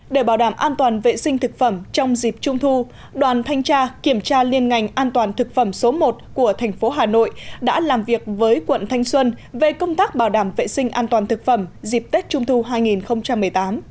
để bảo đảm an toàn vệ sinh thực phẩm trong dịp trung thu đoàn thanh tra kiểm tra liên ngành an toàn thực phẩm số một của thành phố hà nội đã làm việc với quận thanh xuân về công tác bảo đảm vệ sinh an toàn thực phẩm dịp tết trung thu hai nghìn một mươi tám